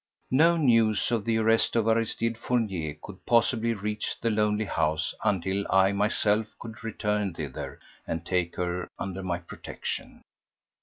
No news of the arrest of Aristide Fournier could possibly reach the lonely house until I myself could return thither and take her under my protection.